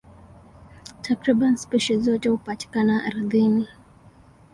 Takriban spishi zote hupatikana ardhini.